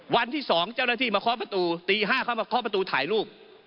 วันที่สองเจ้าหน้าที่มาค้อประตูตีห้าเขามาค้อประตูถ่ายรูป